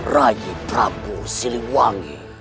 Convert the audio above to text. raih peramu siliwangi